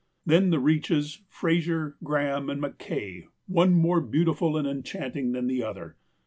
Then the reaches, Fraser, Graham, and McKay, one more beautiful and enchanting than the other.